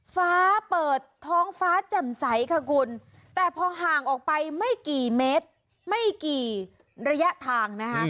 ฟ้าเปิดท้องฟ้าแจ่มใสค่ะคุณแต่พอห่างออกไปไม่กี่เมตรไม่กี่ระยะทางนะคะ